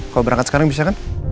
kalau berangkat sekarang bisa kan